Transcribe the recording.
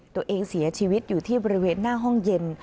ตัวเองเสียชีวิตอยู่ที่บริเวณหน้าห้องเย็น